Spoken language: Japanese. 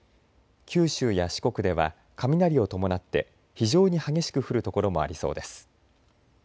九州や四国では雷を伴って非常に激しく降る所もありそうです。